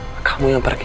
hah kamu yang pergi